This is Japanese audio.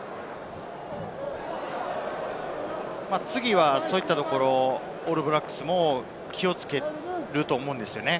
次はそういったところ、オールブラックスも気を付けると思うんですよね。